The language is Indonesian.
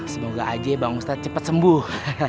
semoga aja bang ustadz cepat sembuh